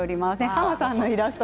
濱さんのイラスト。